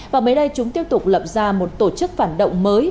và mới đây chúng tiếp tục lập ra một tổ chức phản động mới